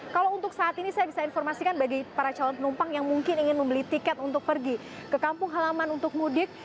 kalau untuk saat ini saya bisa informasikan bagi para calon penumpang yang mungkin ingin membeli tiket untuk pergi ke kampung halaman untuk mudik